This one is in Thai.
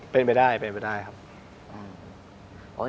เป็นไปได้เป็นไปได้ครับ